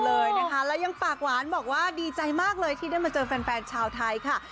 และยังตากวานบอกว่าดีใจมากเลยที่ได้มาเจอแฟนชาวไทยค่ะ